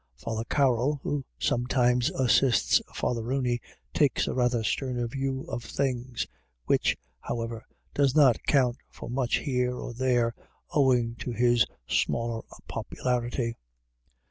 Father Carroll, who sometimes assists Father Rooney, takes a rather sterner view of things, which, however, does not count for much here or there, owing to his smaller popularity.